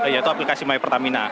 yaitu aplikasi my pertamina